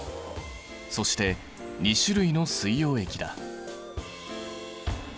そして２種類の水溶液だ。